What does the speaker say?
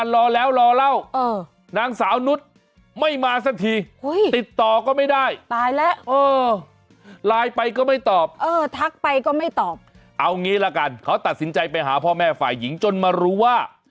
ไลน์ไปก็ไม่ตอบเออทักไปก็ไม่ตอบเอางี้ละกันเขาตัดสินใจไปหาพ่อแม่ฝ่ายหญิงจนมารู้ว่า